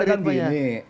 persoalan kan begini